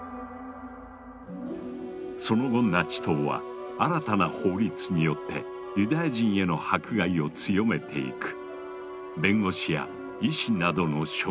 その後ナチ党は新たな法律によってユダヤ人への迫害を強めていく。